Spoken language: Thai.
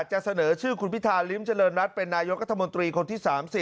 จะเสนอชื่อคุณพิธาริมเจริญรัฐเป็นนายกรัฐมนตรีคนที่๓๐